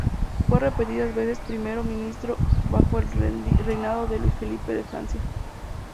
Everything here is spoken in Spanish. Fue repetidas veces primer ministro bajo el reinado de Luis-Felipe de Francia.